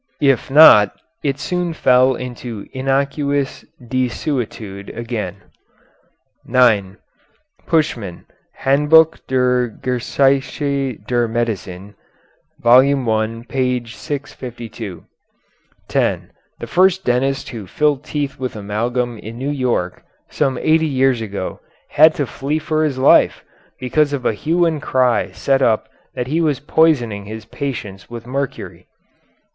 If not, it soon fell into innocuous desuetude again.] [Footnote 9: Puschmann: "Handbuch der Geschichte der Medizin," Vol. I, page 652.] [Footnote 10: The first dentist who filled teeth with amalgam in New York, some eighty years ago, had to flee for his life, because of a hue and cry set up that he was poisoning his patients with mercury.